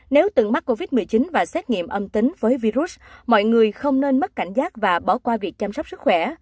nếu từng mắc covid một mươi chín và xét nghiệm âm tính với virus mọi người không nên mất cảnh giác và bỏ qua việc chăm sóc sức khỏe